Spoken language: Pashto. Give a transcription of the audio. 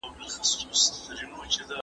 ښوونځی له کتابتونه ښه دی!!